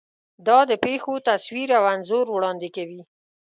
دا د پېښو تصویر او انځور وړاندې کوي.